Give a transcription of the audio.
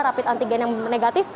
rapid antigen yang negatif